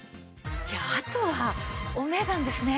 いやあとはお値段ですね。